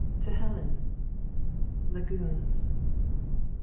To Helen. Lagoons.